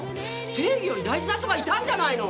正義より大事な人がいたんじゃないの！